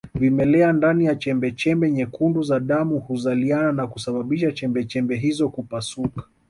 Vimelea ndani ya chembechembe nyekundu za damu huzaliana na kusababisha chembechembe hizo kupasuka